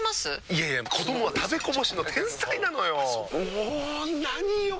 いやいや子どもは食べこぼしの天才なのよ。も何よ